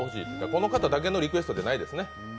この方だけのリクエストやないですね。